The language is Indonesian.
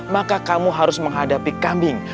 maka kamu harus menghadapi kambing